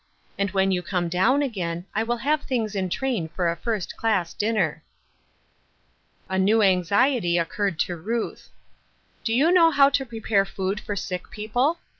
And when you come down again I will have things in train for a first class dinner." A new anxiety occurred to Ruth. " Do you know how to prepare food for sick people